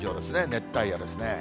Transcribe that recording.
熱帯夜ですね。